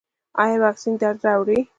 ایا واکسین درد راوړي؟